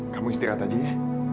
kamu istirahat aja ya